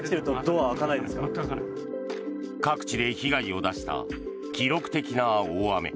各地で被害を出した記録的な大雨。